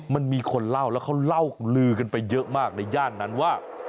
มันมีคนเล่าแล้วเขาเล่าลือกันไปเยอะมากในย่านนั้นว่า